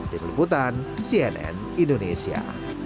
tim liputan cnn indonesia